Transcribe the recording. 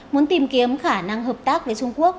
muốn tìm kiếm khả năng hợp tác với trung quốc